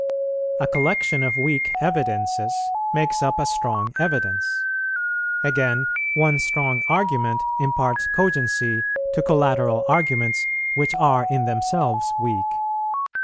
A collection of weak evidences makes up a strong evidence; again, one strong argument imparts cogency to collateral arguments which are in themselves weak.